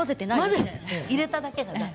入れただけ。